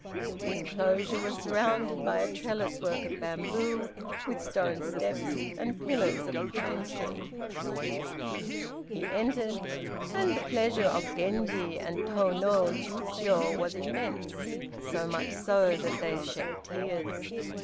The enclosure was surrounded by "a trellis work of bamboo," with "stone steps," and "pillars of pine tree." He entered, and the pleasure of Genji and Tô no Chiûjiô was immense, so much so that they shed tears.